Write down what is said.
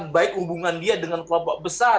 baik hubungan dia dengan kelompok besar